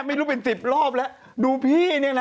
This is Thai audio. ไม่รู้เป็นสิบรอบแล้วดูพี่เนี่ยนะ